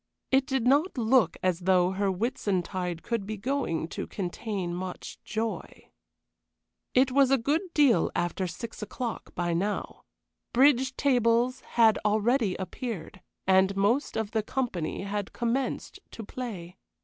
It did not look as though her Whitsuntide could be going to contain much joy. It was a good deal after six o'clock by now. Bridge tables had already appeared, and most of the company had commenced to play.